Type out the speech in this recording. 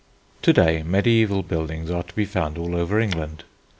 To day mediæval buildings are to be found all over England.